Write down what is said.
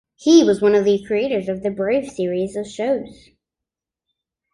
He was one of the creators of the Brave series of shows.